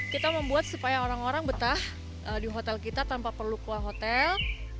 kita membuat supaya orang orang betah di hotel kita tanpa perlu keluar hotel